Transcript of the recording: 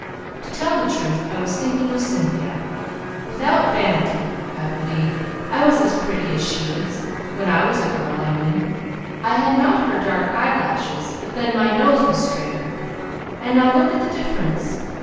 To tell the truth, I was thinking of Cynthia. Without vanity, I believe I was as pretty as she is when I was a girl, I mean; I had not her dark eyelashes, but then my nose was straighter. And now look at the difference!